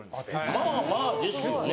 まあまあですよね。